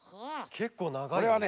けっこうながいよね。